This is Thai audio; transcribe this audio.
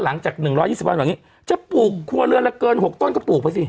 หลังจาก๑๒๐วันแบบนี้จะปลูกครัวเรือนละเกิน๖ต้นก็ปลูกไปสิ